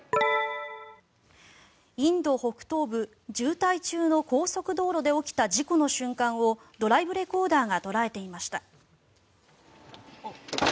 インド北東部渋滞中の高速道路で起きた事故の瞬間をドライブレコーダーが捉えていました。